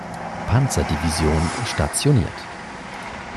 Panzerdivision, stationiert.